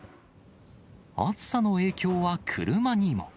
暑さの影響は車にも。